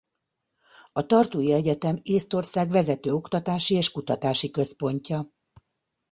A Tartui Egyetem Észtország vezető oktatási és kutatási központja.